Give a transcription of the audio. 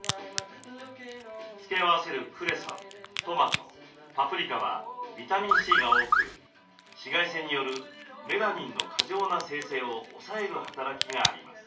付け合わせるクレソントマトパプリカはビタミンＣが多く紫外線によるメラニンの過剰な生成を抑える働きがあります。